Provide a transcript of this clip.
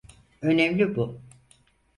Önemli bu.